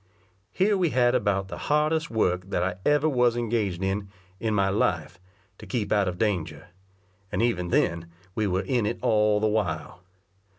Here we had about the hardest work that I ever was engaged in, in my life, to keep out of danger; and even then we were in it all the while.